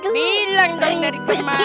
bilang dong dari kemarin